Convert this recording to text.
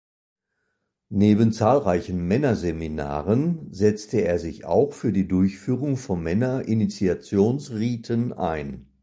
Neben zahlreichen Männer-Seminaren setzte er sich auch für die Durchführung von Männer-Initiationsriten ein.